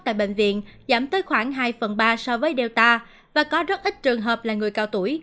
tại bệnh viện giảm tới khoảng hai phần ba so với delta và có rất ít trường hợp là người cao tuổi